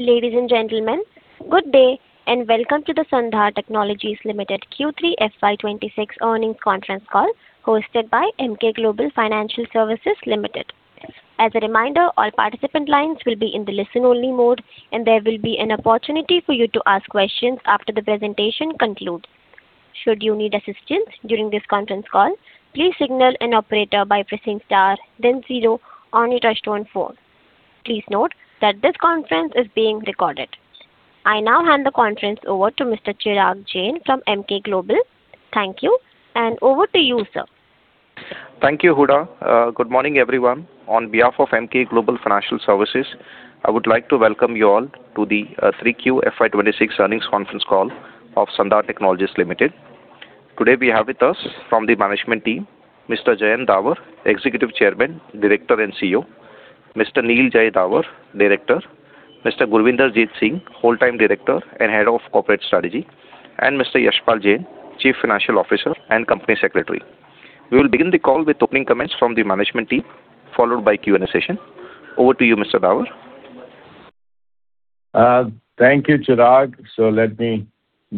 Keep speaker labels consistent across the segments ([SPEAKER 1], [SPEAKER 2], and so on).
[SPEAKER 1] Ladies and gentlemen, good day, and welcome to the Sandhar Technologies Limited Q3 FY 2026 earnings conference call, hosted by Emkay Global Financial Services Limited. As a reminder, all participant lines will be in the listen-only mode, and there will be an opportunity for you to ask questions after the presentation concludes. Should you need assistance during this conference call, please signal an operator by pressing star then zero on your touchtone phone. Please note that this conference is being recorded. I now hand the conference over to Mr. Chirag Jain from Emkay Global. Thank you, and over to you, sir.
[SPEAKER 2] Thank you, Huda. Good morning, everyone. On behalf of Emkay Global Financial Services, I would like to welcome you all to the 3Q FY 2026 earnings conference call of Sandhar Technologies Limited. Today, we have with us from the management team, Mr. Jayant Davar, Executive Chairman, Director, and CEO, Mr. Neel Jay Davar, Director, Mr. Gurvinder Jeet Singh, Full-Time Director and Head of Corporate Strategy, and Mr. Yashpal Jain, Chief Financial Officer and Company Secretary. We will begin the call with opening comments from the management team, followed by Q&A session. Over to you, Mr. Davar.
[SPEAKER 3] Thank you, Chirag. So let me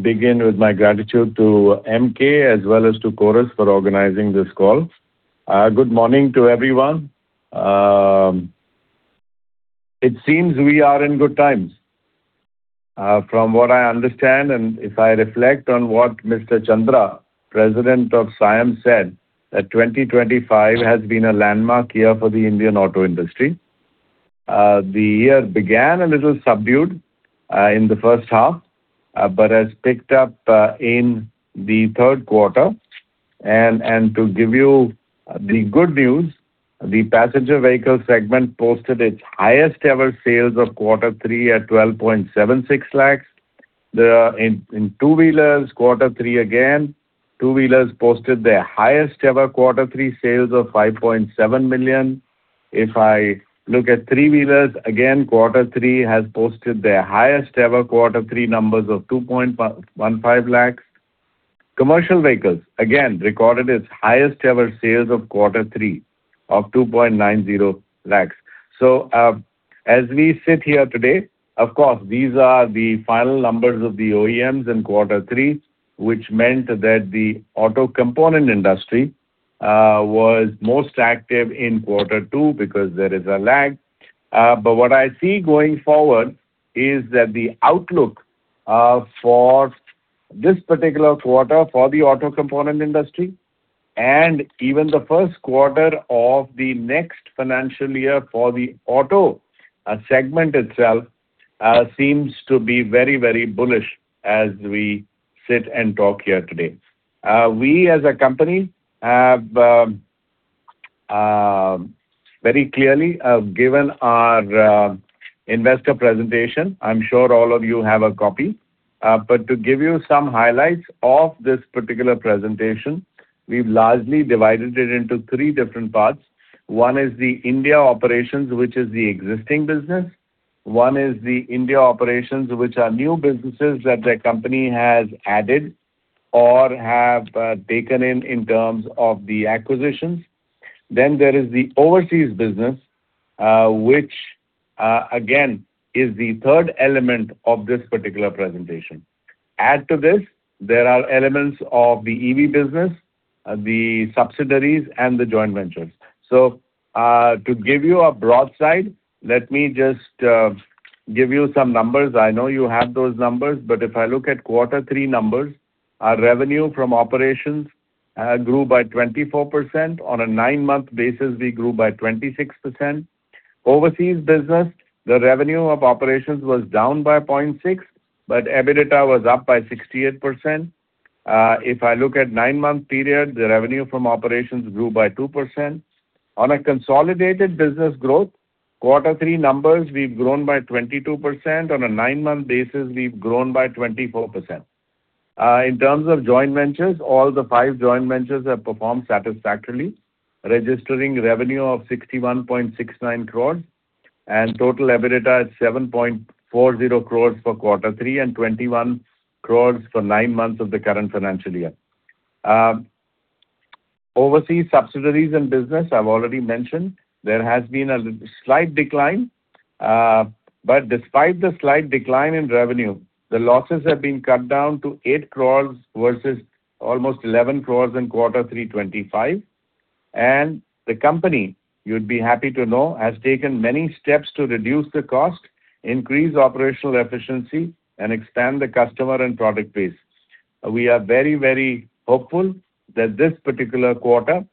[SPEAKER 3] begin with my gratitude to Emkay as well as to Chorus for organizing this call. Good morning to everyone. It seems we are in good times. From what I understand, and if I reflect on what Mr. Chandra, President of SIAM, said, that 2025 has been a landmark year for the Indian auto industry. The year began a little subdued in the first half, but has picked up in the third quarter. To give you the good news, the passenger vehicle segment posted its highest ever sales of quarter three at 12.76 lakh. In two-wheelers, quarter three, again, two-wheelers posted their highest ever quarter three sales of 5.7 million. If I look at three-wheelers, again, quarter three has posted their highest ever quarter three numbers of 2.15 lakhs. Commercial vehicles, again, recorded its highest ever sales of quarter three of 2.90 lakhs. So, as we sit here today, of course, these are the final numbers of the OEMs in quarter three, which meant that the auto component industry was most active in quarter two because there is a lag. But what I see going forward is that the outlook for this particular quarter, for the auto component industry, and even the first quarter of the next financial year for the auto segment itself seems to be very, very bullish as we sit and talk here today. We, as a company, have very clearly given our investor presentation. I'm sure all of you have a copy. But to give you some highlights of this particular presentation, we've largely divided it into three different parts. One is the India operations, which is the existing business. One is the India operations, which are new businesses that the company has added or have taken in, in terms of the acquisitions. Then there is the overseas business, which, again, is the third element of this particular presentation. Add to this, there are elements of the EV business, the subsidiaries, and the joint ventures. So, to give you a broad side, let me just give you some numbers. I know you have those numbers, but if I look at quarter three numbers, our revenue from operations grew by 24%. On a nine-month basis, we grew by 26%. Overseas business, the revenue of operations was down by 0.6%, but EBITDA was up by 68%. If I look at nine-month period, the revenue from operations grew by 2%. On a consolidated business growth, quarter 3 numbers, we've grown by 22%. On a nine-month basis, we've grown by 24%. In terms of joint ventures, all the five joint ventures have performed satisfactorily, registering revenue of 61.69 crore and total EBITDA at 7.40 crore for quarter 3 and 21 crore for nine months of the current financial year. Overseas subsidiaries and business, I've already mentioned, there has been a slight decline, but despite the slight decline in revenue, the losses have been cut down to 8 crore versus almost 11 crore in quarter 3 2025. The company, you'd be happy to know, has taken many steps to reduce the cost, increase operational efficiency, and expand the customer and product base. We are very, very hopeful that this particular quarter,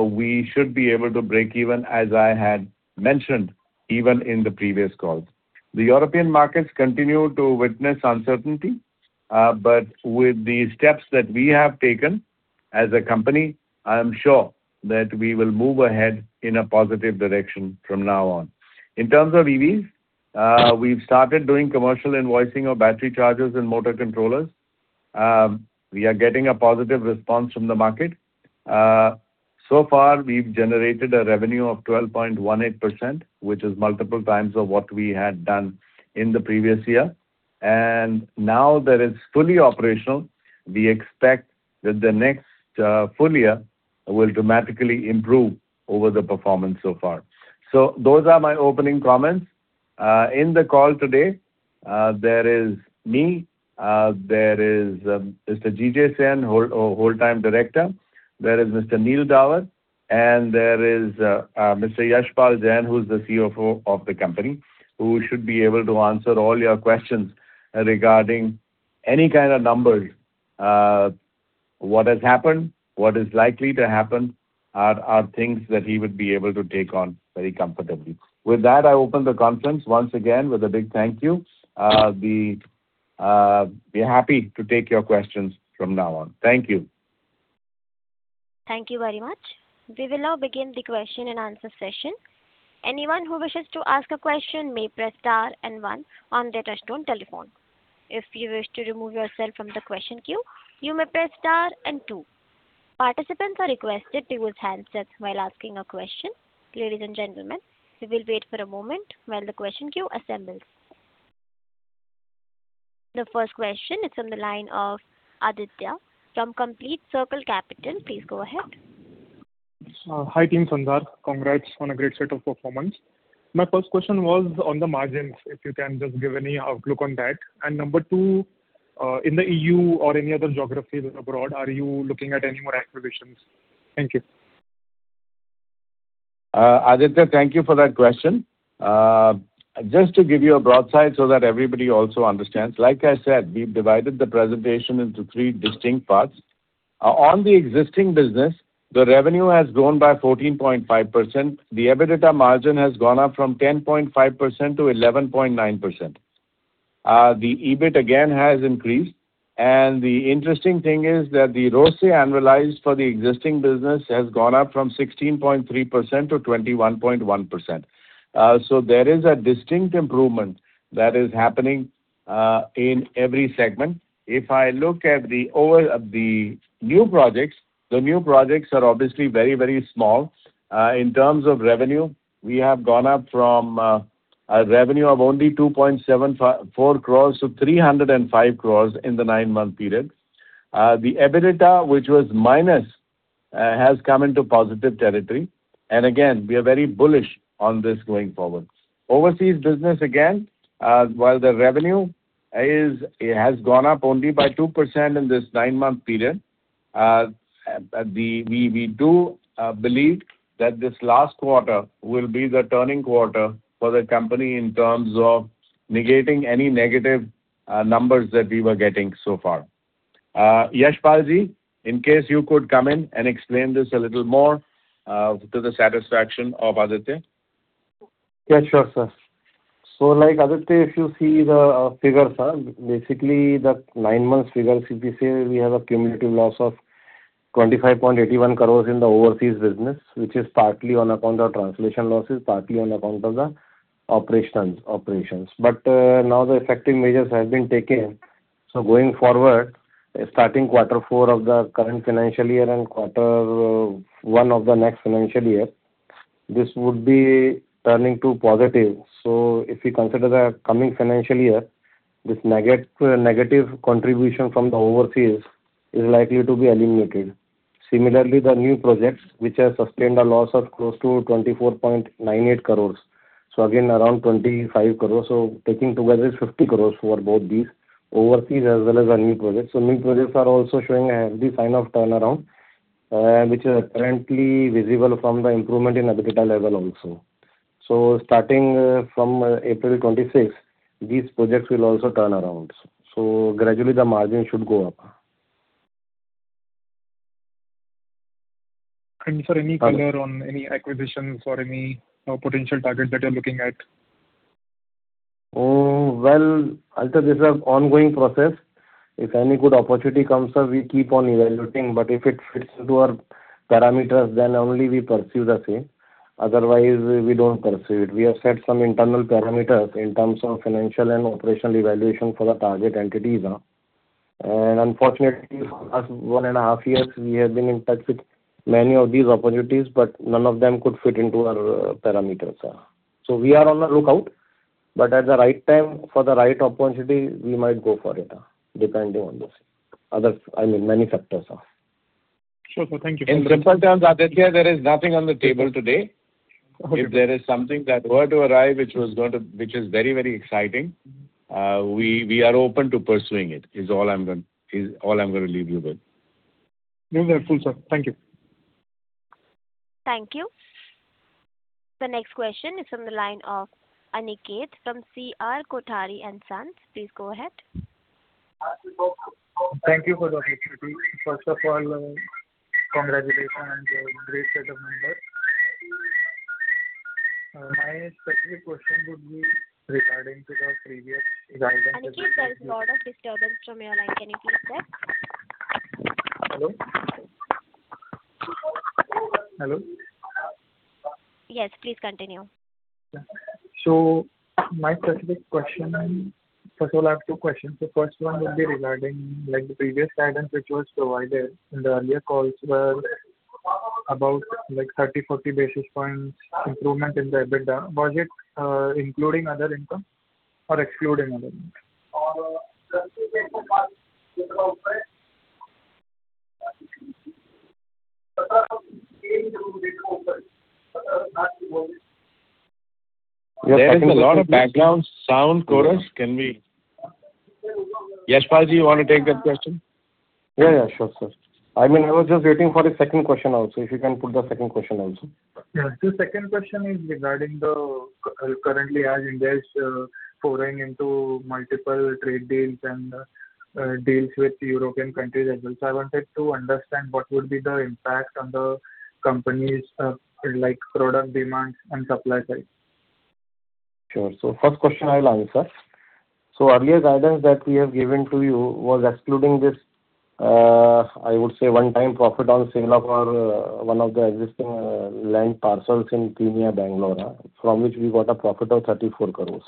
[SPEAKER 3] we should be able to break even, as I had mentioned, even in the previous calls. The European markets continue to witness uncertainty, but with the steps that we have taken as a company, I am sure that we will move ahead in a positive direction from now on. In terms of EVs, we've started doing commercial invoicing of battery chargers and motor controllers. We are getting a positive response from the market. So far, we've generated a revenue of 12.18%, which is multiple times of what we had done in the previous year. And now that it's fully operational, we expect that the next full year will dramatically improve over the performance so far. So those are my opening comments. In the call today, there is me, there is Mr. G.J. Singh, Whole Time Director, there is Mr. Neel Davar, and there is Mr. Yashpal Jain, who is the CFO of the company, who should be able to answer all your questions regarding any kind of numbers. What has happened, what is likely to happen, are things that he would be able to take on very comfortably. With that, I open the conference once again with a big thank you. Happy to take your questions from now on. Thank you.
[SPEAKER 1] Thank you very much. We will now begin the question and answer session. Anyone who wishes to ask a question may press star and one on their touchtone telephone. If you wish to remove yourself from the question queue, you may press star and two. Participants are requested to use handsets while asking a question. Ladies and gentlemen, we will wait for a moment while the question queue assembles. The first question is from the line of Aditya from Complete Circle Capital. Please go ahead.
[SPEAKER 4] Hi, team Sandhar. Congrats on a great set of performance. My first question was on the margins, if you can just give any outlook on that. And number two, in the EU or any other geographies abroad, are you looking at any more acquisitions? Thank you.
[SPEAKER 3] Aditya, thank you for that question. Just to give you a broad side so that everybody also understands, like I said, we've divided the presentation into three distinct parts. On the existing business, the revenue has grown by 14.5%. The EBITDA margin has gone up from 10.5% to 11.9%. The EBIT, again, has increased, and the interesting thing is that the ROCE annualized for the existing business has gone up from 16.3% to 21.1%. So there is a distinct improvement that is happening in every segment. If I look at the new projects, the new projects are obviously very, very small. In terms of revenue, we have gone up from a revenue of only 2.74 crores-305 crores in the nine-month period. The EBITDA, which was minus, has come into positive territory. And again, we are very bullish on this going forward. Overseas business, again, while the revenue has gone up only by 2% in this nine-month period, we do believe that this last quarter will be the turning quarter for the company in terms of negating any negative numbers that we were getting so far. Yashpal Ji, in case you could come in and explain this a little more to the satisfaction of Aditya.
[SPEAKER 5] Yeah, sure, sir. So like Aditya, if you see the figures, basically the nine months figures, if you say we have a cumulative loss of 25.81 crores in the overseas business, which is partly on account of translation losses, partly on account of the operations. But now the effective measures have been taken. So going forward, starting quarter four of the current financial year and quarter one of the next financial year, this would be turning to positive. So if you consider the coming financial year, this negative contribution from the overseas is likely to be eliminated. Similarly, the new projects, which have sustained a loss of close to 24.98 crores, so again, around 25 crores. So taking together 50 crores for both these overseas as well as our new projects. New projects are also showing a healthy sign of turnaround, which is apparently visible from the improvement in EBITDA level also. Starting from April 2026, these projects will also turn around. Gradually the margin should go up.
[SPEAKER 4] Sir, any color on any acquisitions or any potential target that you're looking at?
[SPEAKER 5] Oh, well, I'll say this is an ongoing process. If any good opportunity comes up, we keep on evaluating, but if it fits into our parameters, then only we pursue the same. Otherwise, we don't pursue it. We have set some internal parameters in terms of financial and operational evaluation for the target entities. And unfortunately, for the last one and a half years, we have been in touch with many of these opportunities, but none of them could fit into our parameters. So we are on the lookout, but at the right time, for the right opportunity, we might go for it, depending on this. Other, I mean, many factors.
[SPEAKER 4] Sure, sir. Thank you.
[SPEAKER 3] In simple terms, Aditya, there is nothing on the table today.
[SPEAKER 4] Okay.
[SPEAKER 3] If there is something that were to arrive, which is very, very exciting, we are open to pursuing it, is all I'm going to leave you with.
[SPEAKER 4] No, that's cool, sir. Thank you.
[SPEAKER 1] Thank you. The next question is from the line of Aniket from C. R. Kothari & Sons. Please go ahead.
[SPEAKER 6] Thank you for the opportunity. First of all, congratulations on the great set of numbers. My specific question would be regarding to the previous guidance-
[SPEAKER 1] Aniket, there is a lot of disturbance from your line. Can you please check?
[SPEAKER 6] Hello? Hello?
[SPEAKER 1] Yes, please continue.
[SPEAKER 6] So my specific question, first of all, I have two questions. The first one will be regarding, like, the previous guidance which was provided in the earlier calls where about like 30, 40 basis points improvement in the EBITDA. Was it including other income or excluding other income?
[SPEAKER 3] There is a lot of background sound, Chorus. Can we—Yashpal Ji, you want to take that question?
[SPEAKER 5] Yeah, yeah, sure, sir. I mean, I was just waiting for the second question also, if you can put the second question also.
[SPEAKER 6] Yeah. The second question is regarding currently as India is pouring into multiple trade deals and deals with European countries as well. So I wanted to understand what would be the impact on the company's like product demands and supply side.
[SPEAKER 5] Sure. So first question I'll answer. So earlier guidance that we have given to you was excluding this, I would say one-time profit on sale of our, one of the existing, land parcels in Peenya, Bangalore, from which we got a profit of 34 crore.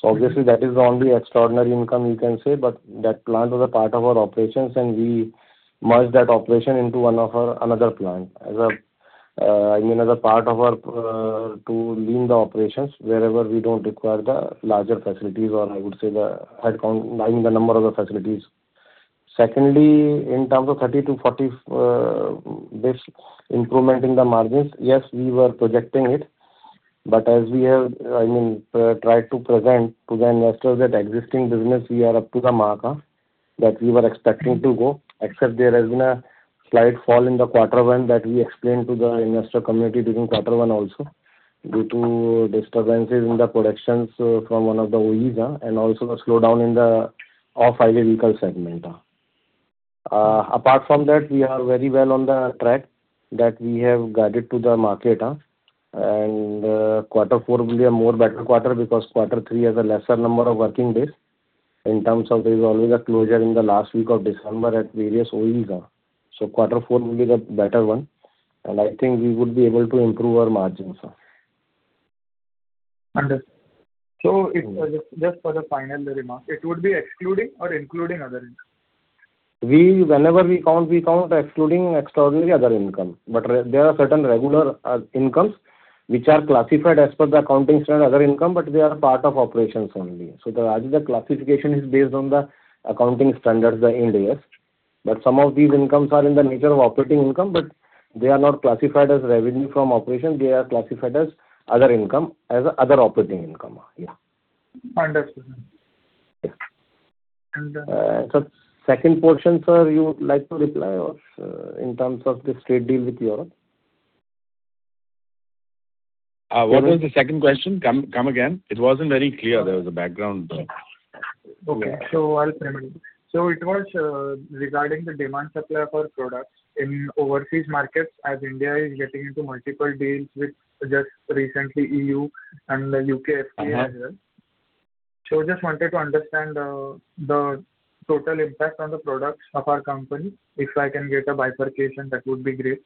[SPEAKER 5] So obviously, that is the only extraordinary income you can say, but that plant was a part of our operations, and we merged that operation into one of our another plant. As a, I mean, as a part of our, to lean the operations wherever we don't require the larger facilities or I would say the headcount, lining the number of the facilities. Secondly, in terms of 30-40, base improvement in the margins, yes, we were projecting it, but as we have, I mean, tried to present to the investors that existing business, we are up to the mark, that we were expecting to go, except there has been a slight fall in the quarter one that we explained to the investor community during quarter one also, due to disturbances in the productions from one of the OEs, and also the slowdown in the off-highway vehicle segment. Apart from that, we are very well on the track that we have guided to the market, and, quarter four will be a more better quarter, because quarter three has a lesser number of working days in terms of there is always a closure in the last week of December at various OEs. So quarter four will be the better one, and I think we would be able to improve our margins.
[SPEAKER 6] Understood. So if, just, just for the final remark, it would be excluding or including other income?
[SPEAKER 5] We whenever we count, we count excluding extraordinary other income, but there are certain regular incomes which are classified as per the accounting standard, other income, but they are part of operations only. So the, as the classification is based on the accounting standards in India. But some of these incomes are in the nature of operating income, but they are not classified as revenue from operations, they are classified as other income, as other operating income, yeah.
[SPEAKER 6] Understood.
[SPEAKER 5] Yeah.
[SPEAKER 6] Under-
[SPEAKER 5] So second portion, sir, you would like to reply or, in terms of this trade deal with Europe?
[SPEAKER 3] What was the second question? Come, come again. It wasn't very clear. There was a background.
[SPEAKER 6] Okay. So I'll frame it. So it was regarding the demand supply for products in overseas markets, as India is getting into multiple deals with just recently EU and the U.K. FTA as well.
[SPEAKER 3] Uh-huh.
[SPEAKER 6] So just wanted to understand, the total impact on the products of our company. If I can get a bifurcation, that would be great.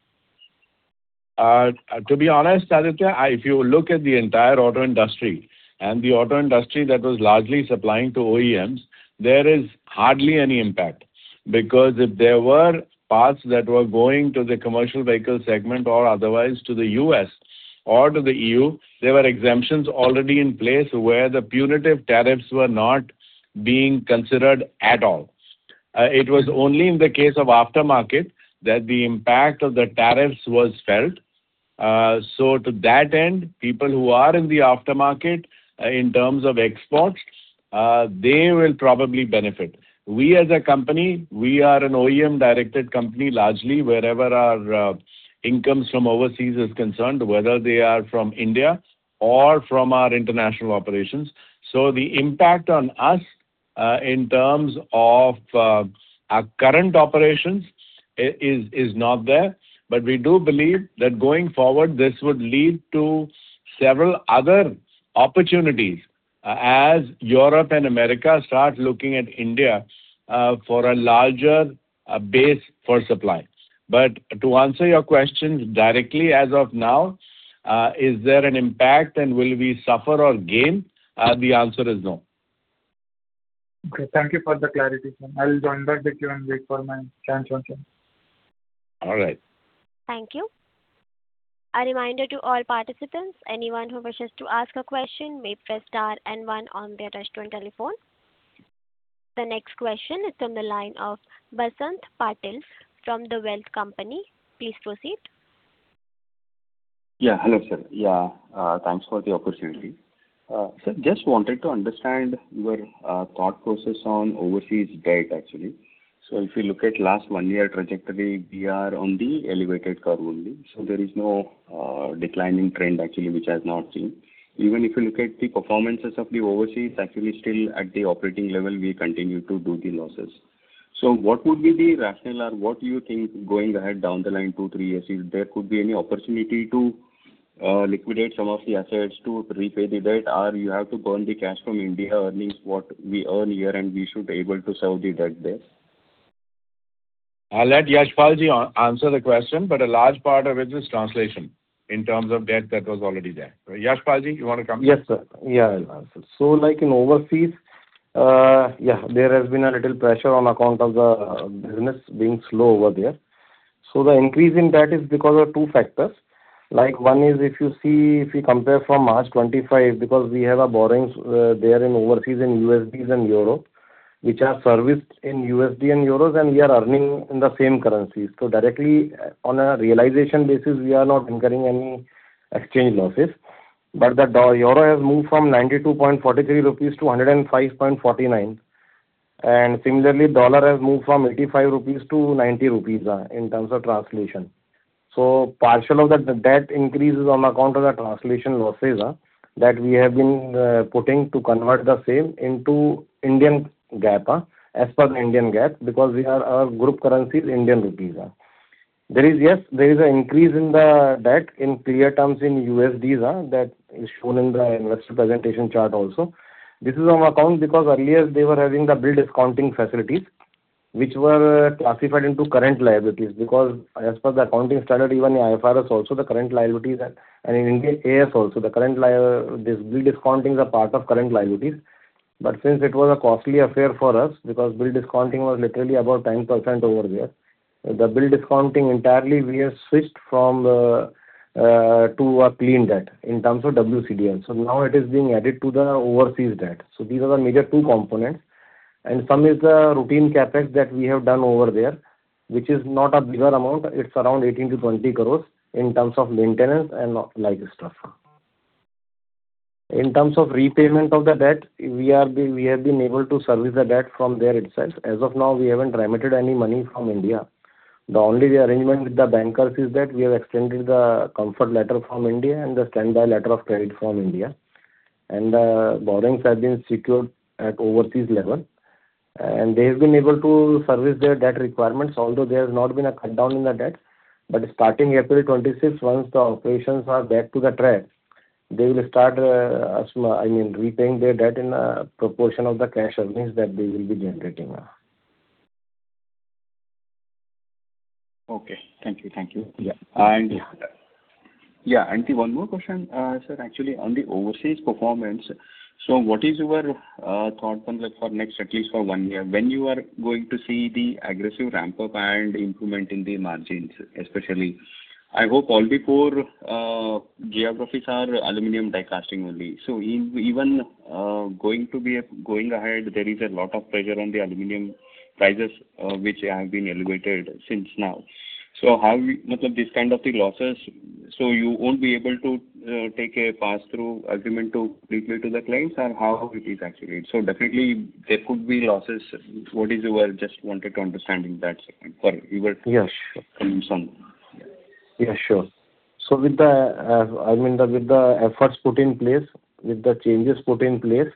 [SPEAKER 3] To be honest, Aditya, if you look at the entire auto industry, and the auto industry that was largely supplying to OEMs, there is hardly any impact, because if there were parts that were going to the commercial vehicle segment or otherwise to the U.S. or to the EU, there were exemptions already in place where the punitive tariffs were not being considered at all. It was only in the case of aftermarket that the impact of the tariffs was felt. So to that end, people who are in the aftermarket, in terms of exports, they will probably benefit. We as a company, we are an OEM-directed company, largely wherever our incomes from overseas is concerned, whether they are from India or from our international operations. So the impact on us, in terms of our current operations is not there. But we do believe that going forward, this would lead to several other opportunities, as Europe and America start looking at India for a larger base for supply. But to answer your question directly, as of now, is there an impact and will we suffer or gain? The answer is no.
[SPEAKER 6] Okay, thank you for the clarity, sir. I will join back the queue and wait for my chance once again.
[SPEAKER 3] All right.
[SPEAKER 1] Thank you. A reminder to all participants, anyone who wishes to ask a question may press star and one on their touchtone telephone. The next question is from the line of Basanth PatIl from The Wealth Company. Please proceed.
[SPEAKER 7] Yeah. Hello, sir. Yeah, thanks for the opportunity. Sir, just wanted to understand your thought process on overseas debt, actually. So if you look at last one year trajectory, we are on the elevated curve only, so there is no declining trend actually, which I have not seen. Even if you look at the performances of the overseas, actually still at the operating level, we continue to do the losses. So what would be the rationale or what do you think going ahead down the line two, three years, if there could be any opportunity to liquidate some of the assets to repay the debt, or you have to burn the cash from India, earnings, what we earn here, and we should be able to serve the debt there?
[SPEAKER 3] I'll let Yashpal Ji answer the question, but a large part of it is translation in terms of debt that was already there. Yashpal Ji, you want to come in?
[SPEAKER 5] Yes, sir. Yeah, I'll answer. So like in overseas, yeah, there has been a little pressure on account of the business being slow over there. So the increase in that is because of two factors. Like, one is if you see, if you compare from March 2025, because we have borrowings there in overseas, in USDs and euro, which are serviced in USD and euros, and we are earning in the same currency. So directly, on a realization basis, we are not incurring any exchange losses. But the dollar-euro has moved from 92.43-105.49 rupees, and similarly, dollar has moved from 85-90 rupees in terms of translation. So part of the debt increases on account of the translation losses that we have been putting to convert the same into Indian GAAP, as per the Indian GAAP, because we are, our group currency is Indian rupees. Yes, there is an increase in the debt in clear terms in USD, that is shown in the investor presentation chart also. This is on account because earlier they were having the bill discounting facilities, which were classified into current liabilities, because as per the accounting standard, even the IFRS also, the current liabilities are, and in India, Ind AS also, this bill discounting is a part of current liabilities. Since it was a costly affair for us, because bill discounting was literally about 10% over there, the bill discounting entirely, we have switched from to a clean debt in terms of WCDL. So now it is being added to the overseas debt. So these are the major two components. And some is the routine CapEx that we have done over there, which is not a bigger amount. It's around 18 crores- 20 crores in terms of maintenance and like stuff. In terms of repayment of the debt, we are being we have been able to service the debt from there itself. As of now, we haven't remitted any money from India. The only rearrangement with the bankers is that we have extended the comfort letter from India and the standby letter of credit from India. Borrowings have been secured at overseas level, and they've been able to service their debt requirements, although there has not been a cut down in the debt. But starting April 2026, once the operations are back to the track, they will start, I mean, repaying their debt in a proportion of the cash surplus that they will be generating now.
[SPEAKER 7] Okay. Thank you. Thank you.
[SPEAKER 5] Yeah.
[SPEAKER 7] Yeah, and one more question, sir, actually, on the overseas performance. So what is your thought on the for next, at least for one year, when you are going to see the aggressive ramp-up and improvement in the margins, especially? I hope all the four geographies are aluminum die casting only. So even going ahead, there is a lot of pressure on the aluminum prices, which have been elevated since now. So how we, this kind of the losses, so you won't be able to take a pass-through agreement to relay to the clients or how it is actually? So definitely there could be losses. What is your—just wanted to understand in that segment for your-
[SPEAKER 5] Yes.
[SPEAKER 7] Conclusion.
[SPEAKER 5] Yeah, sure. So with the, I mean, the with the efforts put in place, with the changes put in place,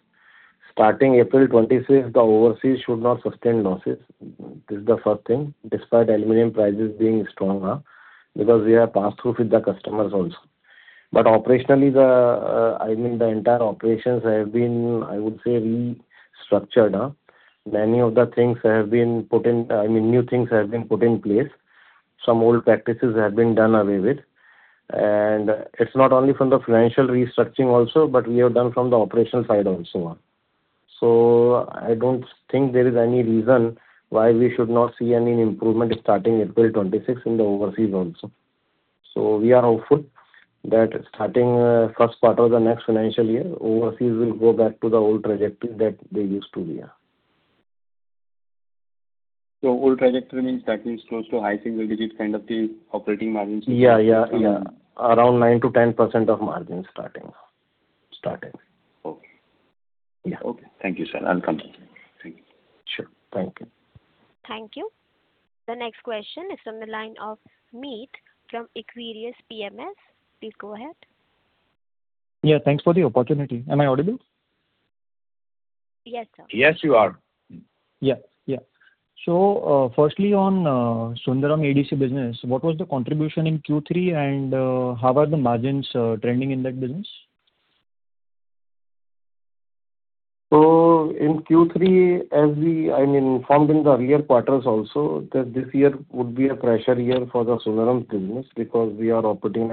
[SPEAKER 5] starting April 2026, the overseas should not sustain losses. This is the first thing, despite aluminum prices being strong, because we have passed through with the customers also. But operationally, the, I mean, the entire operations have been, I would say, restructured. Many of the things have been put in, I mean, new things have been put in place. Some old practices have been done away with. And it's not only from the financial restructuring also, but we have done from the operational side also. So I don't think there is any reason why we should not see any improvement starting April 2026 in the overseas also. We are hopeful that starting first part of the next financial year, overseas will go back to the old trajectory that they used to be, yeah.
[SPEAKER 7] So old trajectory means that means close to high single digit kind of the operating margins?
[SPEAKER 5] Yeah, yeah, yeah. Around 9%-10% of margin starting.
[SPEAKER 7] Okay.
[SPEAKER 5] Yeah.
[SPEAKER 7] Okay. Thank you, sir. I'm confident. Thank you.
[SPEAKER 5] Sure. Thank you.
[SPEAKER 1] Thank you. The next question is from the line of Meet from Equirus PMS. Please go ahead.
[SPEAKER 8] Yeah, thanks for the opportunity. Am I audible?
[SPEAKER 1] Yes, sir.
[SPEAKER 5] Yes, you are.
[SPEAKER 8] Yeah, yeah. So, firstly, on Sundaram ADC business, what was the contribution in Q3, and how are the margins trending in that business?
[SPEAKER 5] So in Q3, as we, I mean, informed in the earlier quarters also, that this year would be a pressure year for the Sundaram business because we are operating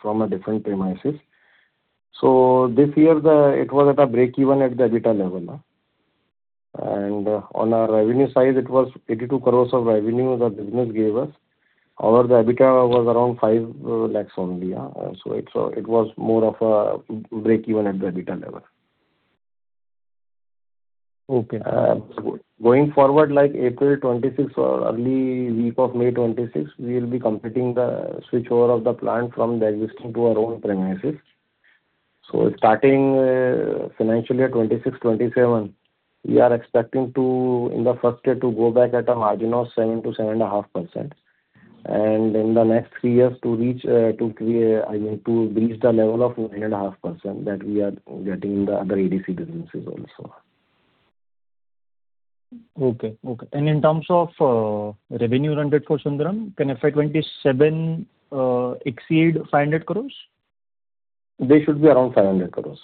[SPEAKER 5] from a different premises. So this year, it was at a breakeven at the EBITDA level. And on our revenue side, it was 82 crore of revenue the business gave us. Our EBITDA was around 5 lakh only, so it was more of a breakeven at the EBITDA level.
[SPEAKER 8] Okay.
[SPEAKER 5] Going forward, like April 2026 or early week of May 2026, we will be completing the switchover of the plant from the existing to our own premises. So starting financial year 2026-2027, we are expecting to, in the first year, to go back at a margin of 7%-7.5%. And in the next three years, to reach, I mean, to reach the level of 10.5% that we are getting in the other ADC businesses also.
[SPEAKER 8] Okay, okay. In terms of revenue earned it for Sandhar, can FY 2027 exceed 500 crore?
[SPEAKER 5] They should be around 500 crore.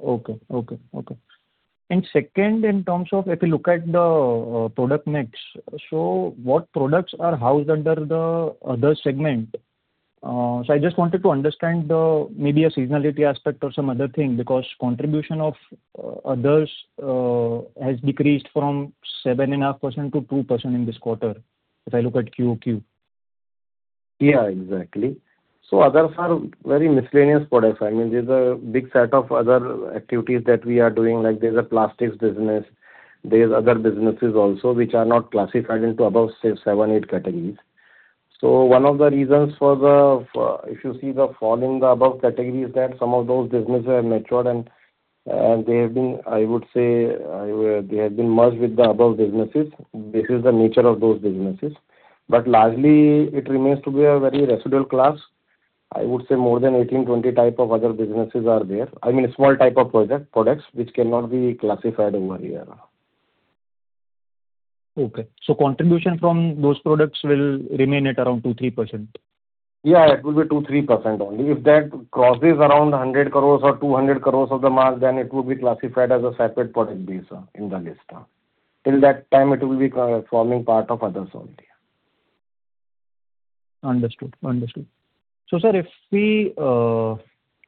[SPEAKER 8] Okay. Okay, okay. Second, in terms of if you look at the product mix, so what products are housed under the other segment? So I just wanted to understand the maybe a seasonality aspect or some other thing, because contribution of others has decreased from 7.5% to 2% in this quarter, if I look at QoQ.
[SPEAKER 5] Yeah, exactly. So others are very miscellaneous products. I mean, there's a big set of other activities that we are doing, like there's a plastics business. There's other businesses also which are not classified into above, say, 7, 8 categories. So one of the reasons for the fall in the above category is that some of those businesses have matured and, they have been, I would say, they have been merged with the above businesses. This is the nature of those businesses, but largely it remains to be a very residual class. I would say more than 18, 20 type of other businesses are there. I mean, small type of project products which cannot be classified over here.
[SPEAKER 8] Okay. So contribution from those products will remain at around 2%-3%?
[SPEAKER 5] Yeah, it will be 2-3% only. If that crosses around 100 crore or 200 crore of the mark, then it will be classified as a separate product base in the list. Till that time, it will be forming part of others only.
[SPEAKER 8] Understood. Understood. So, sir, if you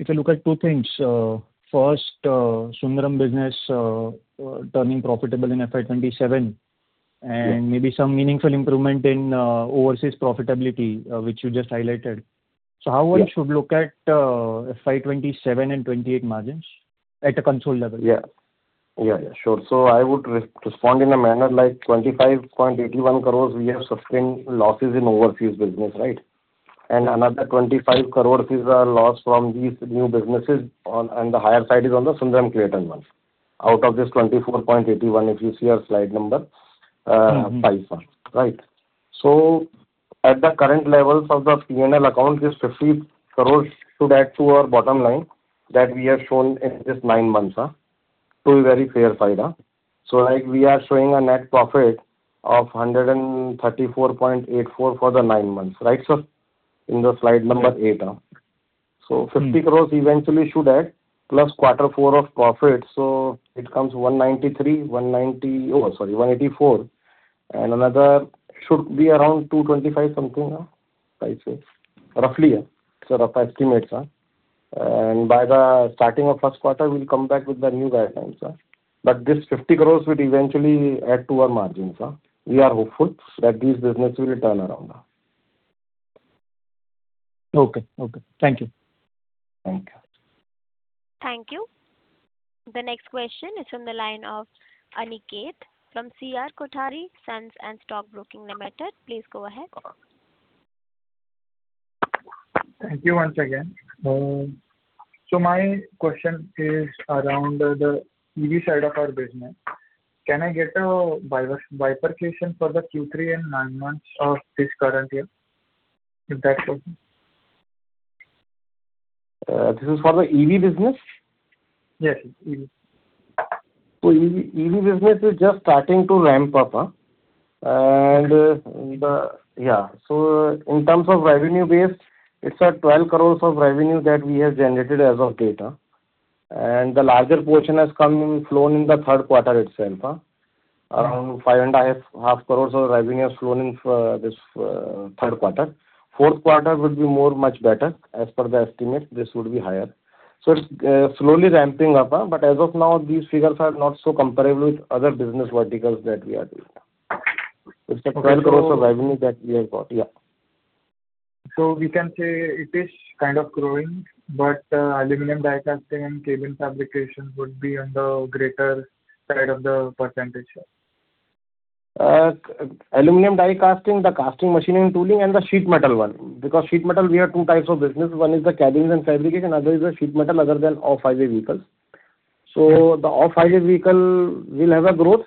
[SPEAKER 8] look at two things, first, Sundaram business turning profitable in FY 2027, and maybe some meaningful improvement in overseas profitability, which you just highlighted.
[SPEAKER 5] Yeah.
[SPEAKER 8] So how one should look at FY 2027 and 2028 margins at a consolidated level?
[SPEAKER 5] Yeah. Yeah, yeah, sure. So I would respond in a manner like 25.81 crores, we have sustained losses in overseas business, right? And another 25 crores is a loss from these new businesses on, and the higher side is on the Sundaram-Clayton one. Out of this 24.81 crores, if you see our slide number,
[SPEAKER 8] Mm-hmm.
[SPEAKER 5] Five, sir. Right. So at the current levels of the P&L account, this INR 50 crore should add to our bottom line that we have shown in this nine months, to a very fair side. So like we are showing a net profit of 134.84 crore for the nine months, right, sir? In the slide number eight. So 50 crore eventually should add plus quarter four of profit, so it comes 193, 190. Oh, sorry, 184, and another should be around 225, something, I say. Roughly, it's a rough estimate, sir. And by the starting of first quarter, we'll come back with the new guidelines, sir. But this 50 crore will eventually add to our margins, sir. We are hopeful that this business will turn around now.
[SPEAKER 8] Okay. Okay. Thank you.
[SPEAKER 5] Thank you.
[SPEAKER 1] Thank you. The next question is from the line of Aniket from C. R. Kothari & Sons and Stock Broking Limited. Please go ahead.
[SPEAKER 6] Thank you once again. My question is around the EV side of our business. Can I get a bifurcation for the Q3 and nine months of this current year, if that's okay?
[SPEAKER 5] This is for the EV business?
[SPEAKER 6] Yes, EV.
[SPEAKER 5] EV business is just starting to ramp up, and the... Yeah, so in terms of revenue base, it's at 12 crore of revenue that we have generated as of date. And the larger portion has come in, flown in the third quarter itself, around 5.5 crore of revenue has flown in for this third quarter. Fourth quarter would be much better. As per the estimate, this would be higher. So it's slowly ramping up, but as of now, these figures are not so comparable with other business verticals that we are doing.
[SPEAKER 6] Okay.
[SPEAKER 5] It's the 12 crore of revenue that we have got. Yeah.
[SPEAKER 6] So we can say it is kind of growing, but aluminum die casting and cabin fabrication would be on the greater side of the percentage?
[SPEAKER 5] Aluminum die casting, the casting, machining, tooling, and the sheet metal one. Because sheet metal, we have two types of business. One is the cabins and fabrication, other is the sheet metal, other than off-highway vehicles. So the off-highway vehicle will have a growth,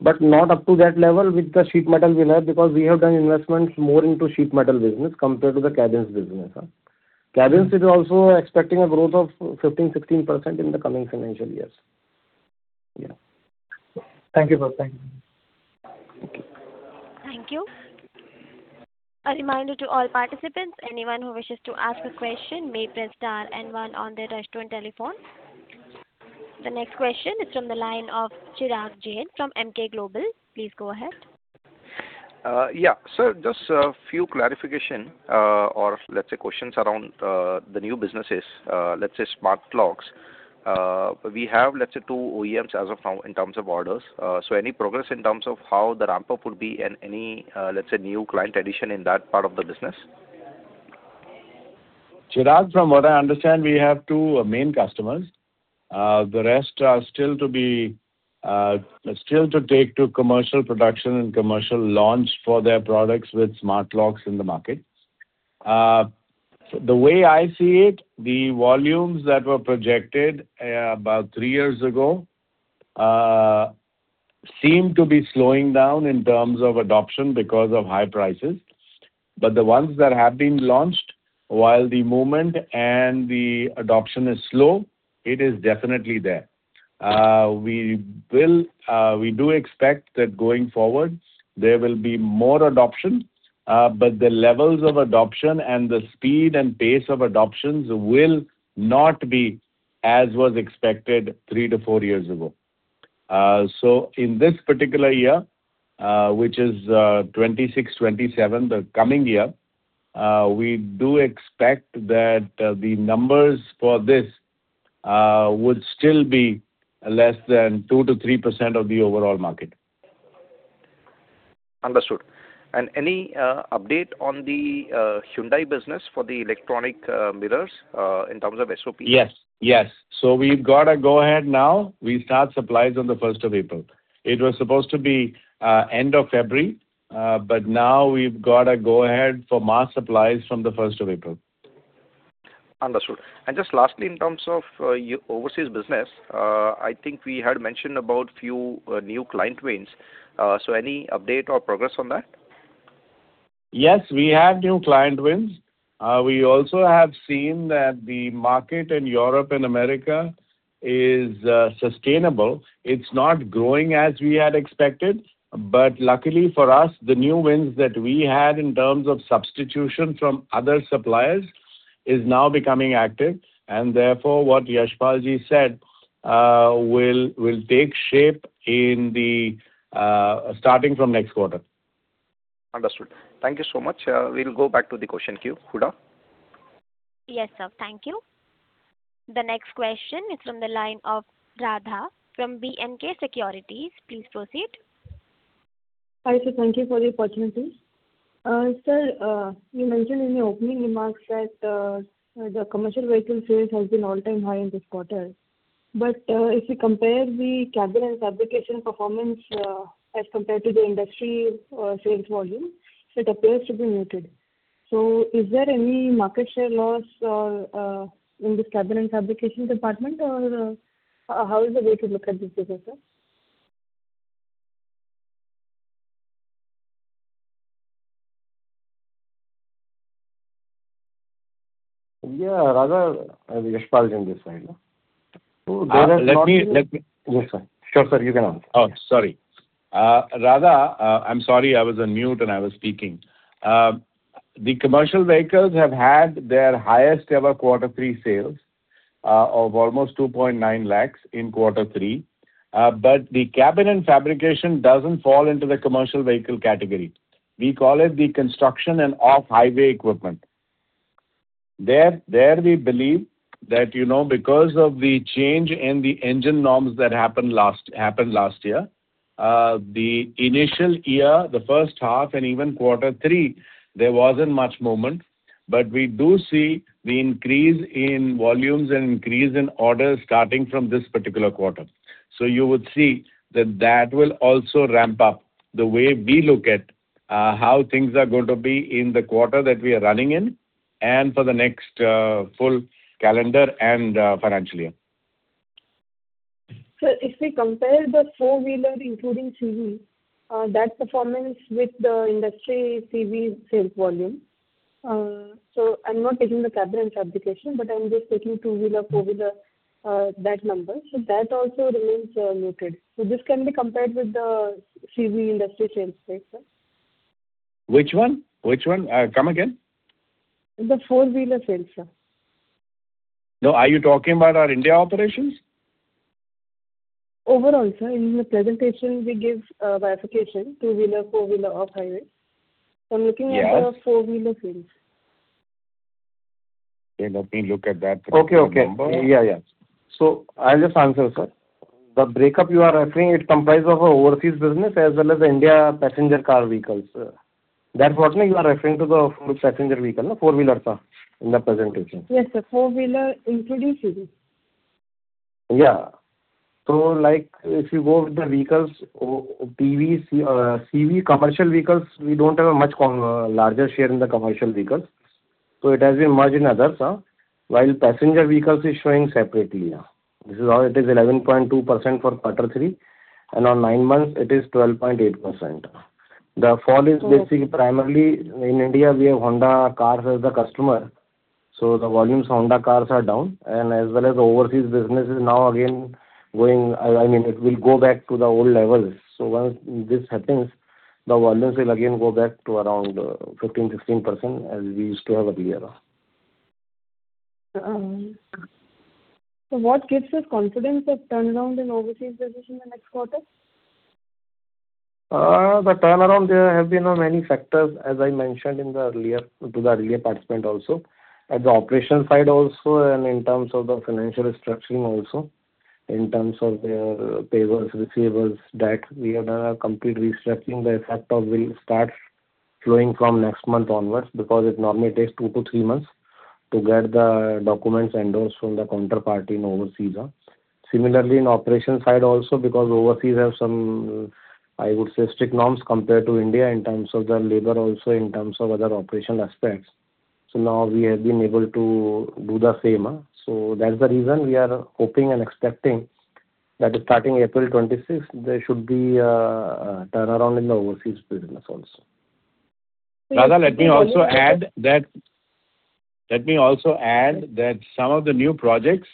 [SPEAKER 5] but not up to that level, which the sheet metal will have, because we have done investments more into sheet metal business compared to the cabins business. Cabins, it is also expecting a growth of 15%-16% in the coming financial years. Yeah.
[SPEAKER 6] Thank you, sir. Thank you.
[SPEAKER 5] Thank you.
[SPEAKER 1] Thank you. A reminder to all participants, anyone who wishes to ask a question may press star and one on their touchtone telephone. The next question is from the line of Chirag Jain from Emkay Global. Please go ahead.
[SPEAKER 2] Yeah. So just a few clarification, or let's say, questions around the new businesses, let's say, Smart Locks. We have, let's say, two OEMs as of now in terms of orders. So any progress in terms of how the ramp-up will be and any, let's say, new client addition in that part of the business?
[SPEAKER 5] Chirag, from what I understand, we have two main customers. The rest are still to be still to take to commercial production and commercial launch for their products with smart locks in the market. The way I see it, the volumes that were projected about three years ago seem to be slowing down in terms of adoption because of high prices. But the ones that have been launched, while the movement and the adoption is slow, it is definitely there. We will, we do expect that going forward, there will be more adoption, but the levels of adoption and the speed and pace of adoptions will not be as was expected three to four years ago.
[SPEAKER 3] So in this particular year, which is, 26-27, the coming year, we do expect that, the numbers for this, would still be less than 2%-3% of the overall market.
[SPEAKER 2] Understood. Any update on the Hyundai business for the electronic mirrors in terms of SOPs?
[SPEAKER 3] Yes, yes. So we've got a go ahead now. We start supplies on the first of April. It was supposed to be end of February, but now we've got a go ahead for mass supplies from the first of April.
[SPEAKER 2] Understood. And just lastly, in terms of, overseas business, I think we had mentioned about few new client wins. So any update or progress on that?
[SPEAKER 3] Yes, we have new client wins. We also have seen that the market in Europe and America is sustainable. It's not growing as we had expected, but luckily for us, the new wins that we had in terms of substitution from other suppliers is now becoming active, and therefore, what Yashpal Ji said will take shape in the starting from next quarter.
[SPEAKER 2] Understood. Thank you so much. We'll go back to the question queue. Huda?
[SPEAKER 1] Yes, sir. Thank you. The next question is from the line of Radha from B&K Securities. Please proceed.
[SPEAKER 9] Hi, sir, thank you for the opportunity. Sir, you mentioned in your opening remarks that the commercial vehicle sales has been all-time high in this quarter. But if you compare the cabin and fabrication performance as compared to the industry sales volume, it appears to be muted. So is there any market share loss or in this cabin and fabrication department, or how is the way to look at this business, sir?
[SPEAKER 2] Yeah, Radha, I have Yashpal Ji on this side. So there has not been-
[SPEAKER 3] Let me-
[SPEAKER 5] Yes, sir. Sure, sir, you can answer.
[SPEAKER 3] Oh, sorry. Radha, I'm sorry, I was on mute and I was speaking. The commercial vehicles have had their highest ever quarter three sales of almost 2.9 lakhs in quarter three. But the cabins and fabrication doesn't fall into the commercial vehicle category. We call it the construction and off-highway equipment. There we believe that, you know, because of the change in the engine norms that happened last, happened last year, the initial year, the first half and even quarter three, there wasn't much movement. But we do see the increase in volumes and increase in orders starting from this particular quarter. So you would see that that will also ramp up the way we look at how things are going to be in the quarter that we are running in and for the next full calendar and financial year.
[SPEAKER 9] Sir, if we compare the four-wheeler, including CV, that performance with the industry CV sales volume, so I'm not taking the cabin and fabrication, but I'm just taking two-wheeler, four-wheeler, that number, so that also remains muted. So this can be compared with the CV industry sales, right, sir?
[SPEAKER 3] Which one? Which one? Come again?
[SPEAKER 9] The four-wheeler sales, sir.
[SPEAKER 3] No, are you talking about our India operations?
[SPEAKER 9] Overall, sir. In the presentation, we give a verification, two-wheeler, four-wheeler, off-highway.
[SPEAKER 3] Yes.
[SPEAKER 9] I'm looking at the four-wheeler sales.
[SPEAKER 5] Let me look at that number. Okay, okay. Yeah, yeah. So I'll just answer, sir. The breakup you are referring, it comprises of our overseas business as well as the India passenger car vehicles. That what, no, you are referring to the full passenger vehicle, no, four-wheeler, sir, in the presentation?
[SPEAKER 9] Yes, sir. Four-wheeler, including CV.
[SPEAKER 5] Yeah. So like, if you go with the vehicles, PV, CV, commercial vehicles, we don't have a much larger share in the commercial vehicles, so it has been merged in others, while passenger vehicles is showing separately. This is how it is 11.2% for quarter three, and on nine months it is 12.8%. The fall is basically primarily in India, we have Honda Cars as the customer, so the volumes of Honda Cars are down, and as well as the overseas business is now again going. I mean, it will go back to the old levels. So once this happens, the volumes will again go back to around 15, 16%, as we used to have earlier.
[SPEAKER 9] What gives us confidence of turnaround in overseas business in the next quarter?
[SPEAKER 5] The turnaround, there have been many factors, as I mentioned in the earlier, to the earlier participant also. At the operation side also, and in terms of the financial restructuring also, in terms of payables, receivables, that we have done a complete restructuring. The effect of will start flowing from next month onwards, because it normally takes 2-3 months to get the documents endorsed from the counterparty in overseas. Similarly, in operation side also, because overseas have some, I would say, strict norms compared to India in terms of the labor also, in terms of other operation aspects. So now we have been able to do the same, so that's the reason we are hoping and expecting that starting April 2026, there should be a turnaround in the overseas business also.
[SPEAKER 3] Radha, let me also add that, let me also add that some of the new projects,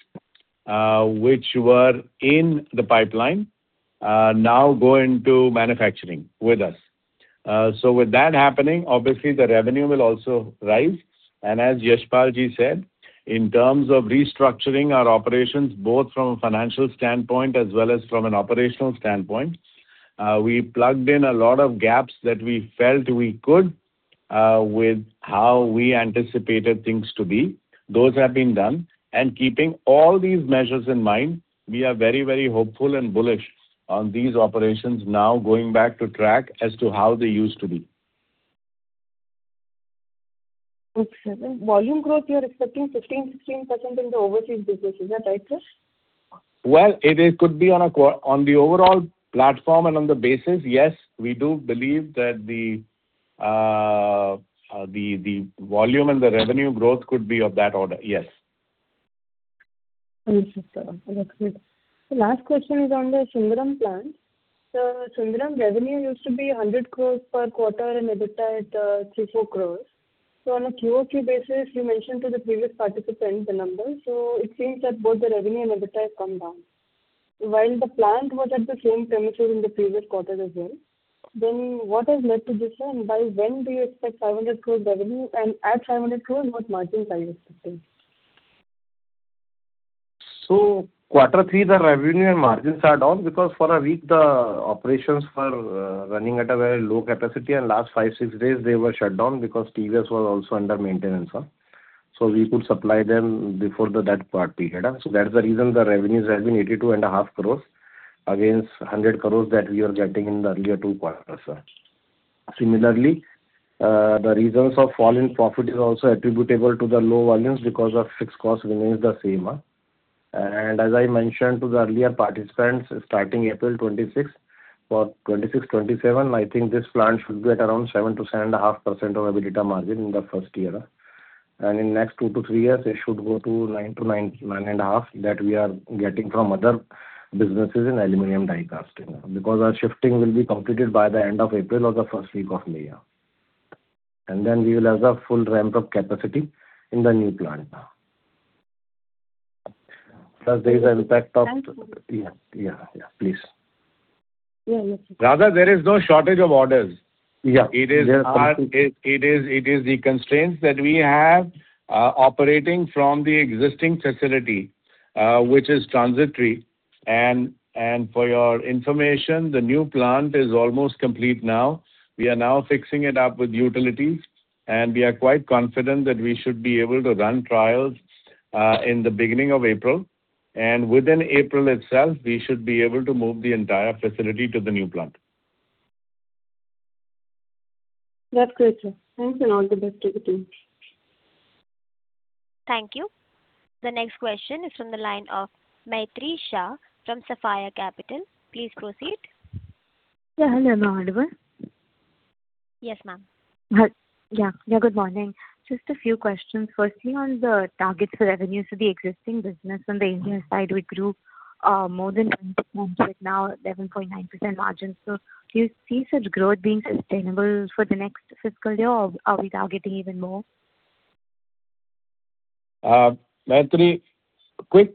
[SPEAKER 3] which were in the pipeline, now go into manufacturing with us. So with that happening, obviously, the revenue will also rise. And as Yashpal Ji said, in terms of restructuring our operations, both from a financial standpoint as well as from an operational standpoint, we plugged in a lot of gaps that we felt we could, with how we anticipated things to be. Those have been done. And keeping all these measures in mind, we are very, very hopeful and bullish on these operations now going back to track as to how they used to be.
[SPEAKER 9] Okay, sir. Volume growth, you're expecting 15%-16% in the overseas business. Is that right, sir?
[SPEAKER 3] Well, it could be on the overall platform and on the basis, yes, we do believe that the volume and the revenue growth could be of that order, yes.
[SPEAKER 9] Thank you, sir. That's great. The last question is on the Sundaram plant. Sir, Sundaram revenue used to be 100 crore per quarter, and EBITDA at 3 crore-4 crore. So on a QoQ basis, you mentioned to the previous participant the numbers, so it seems that both the revenue and EBITDA have come down. While the plant was at the same premises in the previous quarter as well, then what has led to this, and by when do you expect 700 crore revenue, and at 700 crore, what margins are you expecting?
[SPEAKER 5] So Quarter three, the revenue and margins are down, because for a week, the operations were running at a very low capacity, and last 5-6 days they were shut down because TVS was also under maintenance, sir. So we could supply them before the that part period, so that's the reason the revenues have been 82.5 crores, against 100 crores that we were getting in the earlier two quarters, sir. Similarly, the reasons of fall in profit is also attributable to the low volumes because of fixed costs remains the same. And as I mentioned to the earlier participants, starting April 26th or 26th-27th, I think this plant should be at around 7%-7.5% EBITDA margin in the first year. In next 2-3 years, it should go to 9-9, 9.5, that we are getting from other businesses in aluminum die casting. Because our shifting will be completed by the end of April or the first week of May, yeah. Then we will have the full ramp of capacity in the new plant now. Plus, there is an impact of-
[SPEAKER 9] Thank you.
[SPEAKER 5] Yeah, yeah, yeah, please.
[SPEAKER 3] Yeah, look, rather there is no shortage of orders.
[SPEAKER 5] Yeah.
[SPEAKER 3] It is our-
[SPEAKER 5] We have completed.
[SPEAKER 3] It is the constraints that we have operating from the existing facility, which is transitory. For your information, the new plant is almost complete now. We are now fixing it up with utilities, and we are quite confident that we should be able to run trials in the beginning of April. Within April itself, we should be able to move the entire facility to the new plant.
[SPEAKER 9] That's great, sir. Thanks, and all the best to the team.
[SPEAKER 1] Thank you. The next question is from the line of Maitri Shah from Sapphire Capital. Please proceed.
[SPEAKER 10] Yeah, hello, Ma'am. Audible?
[SPEAKER 1] Yes, ma'am.
[SPEAKER 10] Hi. Yeah, yeah, good morning. Just a few questions. Firstly, on the targets for revenues for the existing business, on the India side, it grew more than 10%, with now 11.9% margins. So do you see such growth being sustainable for the next fiscal year, or are we targeting even more?
[SPEAKER 3] Maitri, quick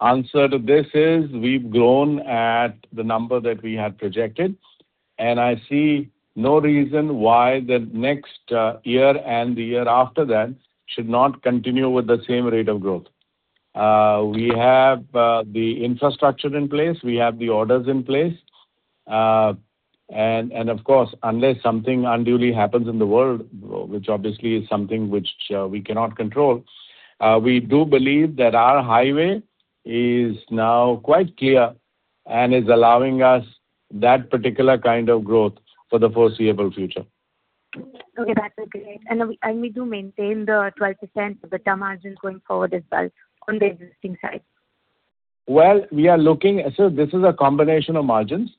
[SPEAKER 3] answer to this is, we've grown at the number that we had projected, and I see no reason why the next year and the year after that should not continue with the same rate of growth. We have the infrastructure in place, we have the orders in place. And, of course, unless something unduly happens in the world, which obviously is something which we cannot control, we do believe that our highway is now quite clear and is allowing us that particular kind of growth for the foreseeable future.
[SPEAKER 10] Okay, that's okay. And we, and we do maintain the 12% EBITDA margin going forward as well on the existing side?
[SPEAKER 3] Well, we are looking—so this is a combination of margins.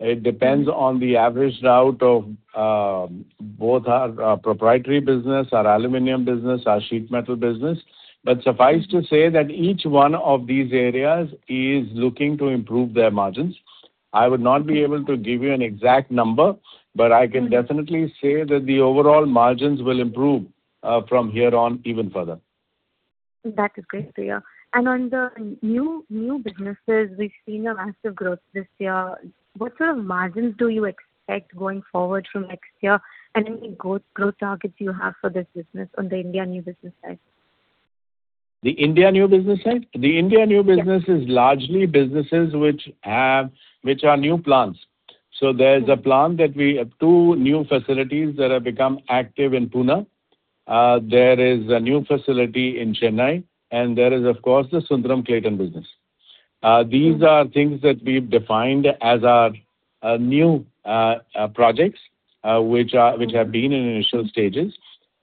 [SPEAKER 3] It depends on the average route of both our proprietary business, our aluminum business, our sheet metal business. But suffice to say that each one of these areas is looking to improve their margins. I would not be able to give you an exact number but I can definitely say that the overall margins will improve from here on even further.
[SPEAKER 10] That is great to hear. And on the new, new businesses, we've seen a massive growth this year. What sort of margins do you expect going forward from next year? And any growth, growth targets you have for this business on the India new business side?
[SPEAKER 3] The India new business side? The India new business-
[SPEAKER 10] Yes.
[SPEAKER 3] -is largely businesses which have... which are new plants. So there's a plant that we... Two new facilities that have become active in Pune. There is a new facility in Chennai, and there is, of course, the Sundaram-Clayton business. These are things that we've defined as our new projects, which are—which have been in initial stages.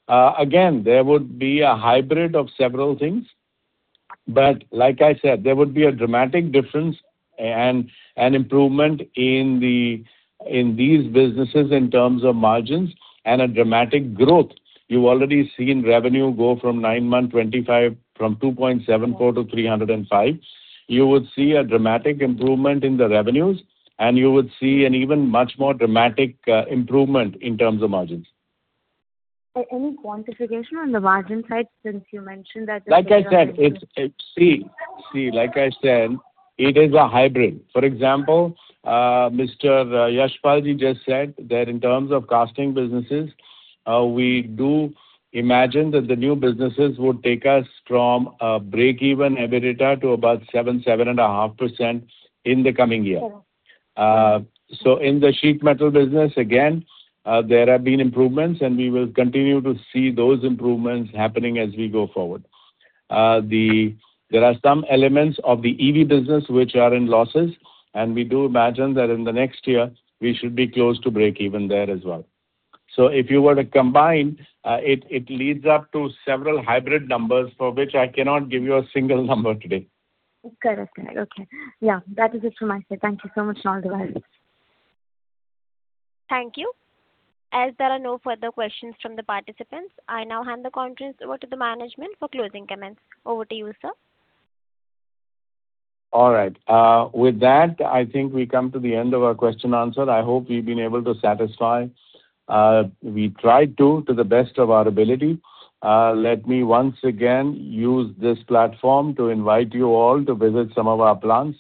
[SPEAKER 3] Again, there would be a hybrid of several things, but like I said, there would be a dramatic difference and improvement in these businesses in terms of margins and a dramatic growth. You've already seen revenue go from nine-month 25, from 2.74-305. You would see a dramatic improvement in the revenues, and you would see an even much more dramatic improvement in terms of margins.
[SPEAKER 10] Any quantification on the margin side, since you mentioned that-
[SPEAKER 3] Like I said, it's a hybrid. For example, Mr. Yashpal Ji just said that in terms of casting businesses, we do imagine that the new businesses would take us from a breakeven EBITDA to about 7%-7.5% in the coming year.
[SPEAKER 10] Sure.
[SPEAKER 3] So in the sheet metal business, again, there have been improvements, and we will continue to see those improvements happening as we go forward. There are some elements of the EV business which are in losses, and we do imagine that in the next year, we should be close to breakeven there as well. So if you were to combine, it, it leads up to several hybrid numbers for which I cannot give you a single number today.
[SPEAKER 10] Okay, okay. Okay. Yeah, that is it from my side. Thank you so much, and all the best.
[SPEAKER 1] Thank you. As there are no further questions from the participants, I now hand the conference over to the management for closing comments. Over to you, sir.
[SPEAKER 3] All right. With that, I think we come to the end of our question and answer. I hope we've been able to satisfy. We tried to, to the best of our ability. Let me once again use this platform to invite you all to visit some of our plants,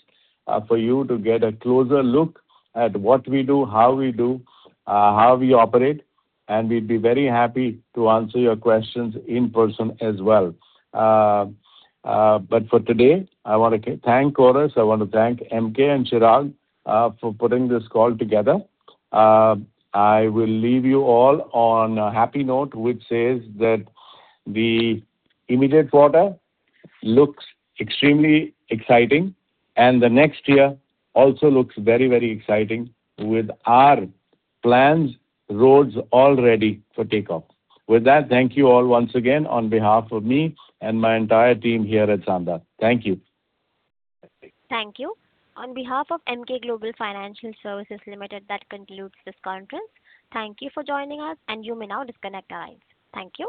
[SPEAKER 3] for you to get a closer look at what we do, how we do, how we operate, and we'd be very happy to answer your questions in person as well. But for today, I want to thank Chorus. I want to thank Emkay and Chirag, for putting this call together. I will leave you all on a happy note, which says that the immediate quarter looks extremely exciting, and the next year also looks very, very exciting, with our plans, roads all ready for takeoff. With that, thank you all once again on behalf of me and my entire team here at Sandhar. Thank you.
[SPEAKER 1] Thank you. On behalf of Emkay Global Financial Services Limited, that concludes this conference. Thank you for joining us, and you may now disconnect the lines. Thank you.